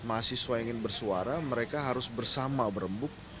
mahasiswa yang ingin bersuara mereka harus bersama berembuk